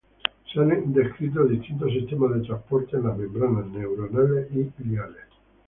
Se han descrito distintos sistemas de transporte en las membranas neuronales y gliales.